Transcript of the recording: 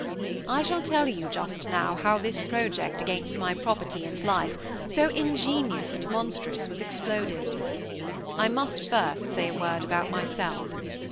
I shall tell you, just now, how this project against my property and life, so ingenious and monstrous, was exploded. I must first say a word about myself.